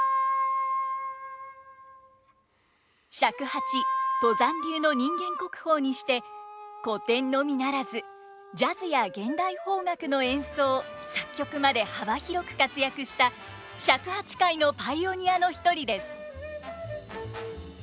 尺八都山流の人間国宝にして古典のみならずジャズや現代邦楽の演奏作曲まで幅広く活躍した尺八界のパイオニアの一人です。